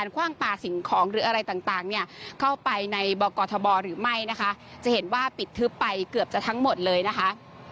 เกือบจะทั้งหมดเลยนะคะ